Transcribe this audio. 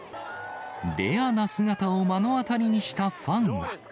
レアな姿を目の当たりにしたファンは。